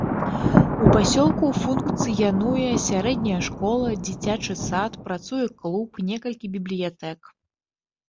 У пасёлку функцыянуе сярэдняя школа, дзіцячы сад, працуе клуб, некалькі бібліятэк.